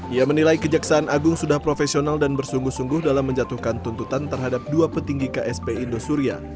ia menilai kejaksaan agung sudah profesional dan bersungguh sungguh dalam menjatuhkan tuntutan terhadap dua petinggi ksp indosuria